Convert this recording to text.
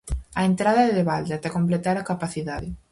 A entrada é de balde ata completar a capacidade.